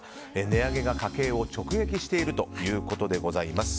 値上げが家計を直撃しているということです。